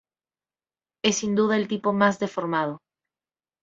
Es sin duda el tipo más deformado.